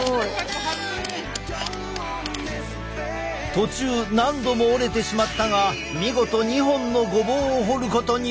途中何度も折れてしまったが見事２本のごぼうを掘ることに成功！